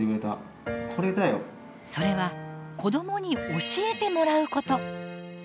それは子どもに教えてもらうこと。